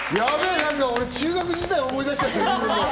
なんか俺、中学時代を思い出しちゃった。